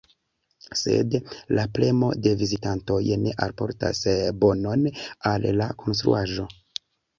Sed la premo de vizitantoj ne alportas bonon al la konstruaĵo.